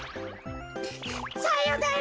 さよなら。